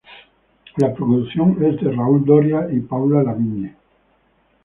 La producción es de Raúl Doria y Paula Lavigne.